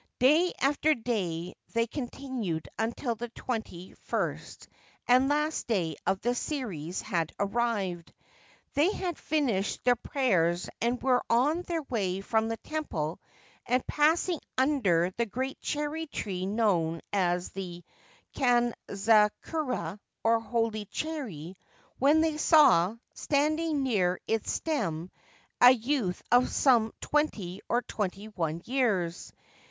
Day after day they continued until the twenty first and last day of the series had arrived. They had finished their prayers and were on their way from the temple and passing under the great cherry tree known as the ' Kanzakura ' or Holy Cherry, when they saw, standing near its stem, a youth of some twenty or twenty one years.